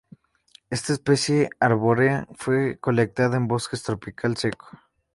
Esta especie arbórea fue colectada en bosque tropical seco.